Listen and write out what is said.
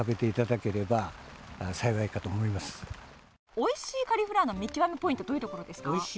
おいしいカリフラワーの見極めポイントはどこですか？